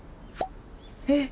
えっ！